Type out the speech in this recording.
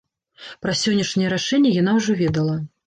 Пра сённяшняе рашэнне яна ўжо ведала.